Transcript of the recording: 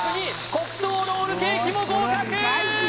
黒糖ロールケーキも合格！